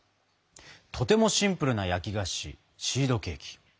とてもシンプルな焼き菓子シードケーキ。